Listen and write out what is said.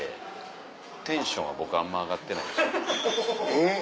えっ。